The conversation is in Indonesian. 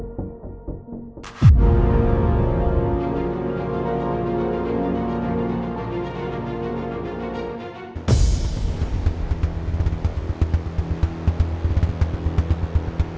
nanti jatuh malah nyalahin lagi